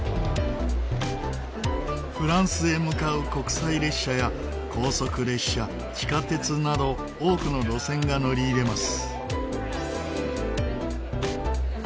フランスへ向かう国際列車や高速列車地下鉄など多くの路線が乗り入れます。